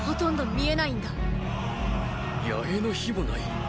野営の火もない。